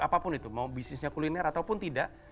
apapun itu mau bisnisnya kuliner ataupun tidak